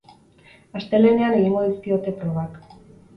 Astelehenean egingo dizkiote probak.